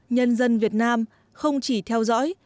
nhân dân việt nam không chỉ theo dõi